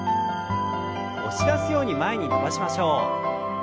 押し出すように前に伸ばしましょう。